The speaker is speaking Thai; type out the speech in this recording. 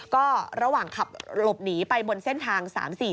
ก็ระหว่างขับหลบหนีไปบนเส้นทาง๓๔๔